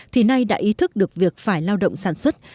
thì nay đã ý thức được việc phải lao động sản xuất